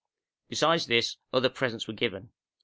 Besides this, other presents were given.